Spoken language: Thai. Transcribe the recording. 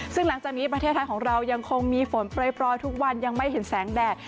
ซึ่งหลังจากนี้ประเทศไทยของเรายังคงมีฝนปล่อยทุกวันยังไม่เห็นแสงแดด